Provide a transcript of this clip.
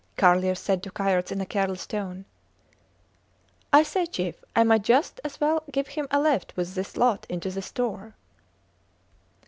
Carlier said to Kayerts in a careless tone: I say, chief, I might just as well give him a lift with this lot into the store.